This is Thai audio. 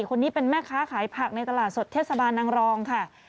คนนี้เป็นแม่ค้าขายผักในตลาดสดเทศบาลนางรองค่ะ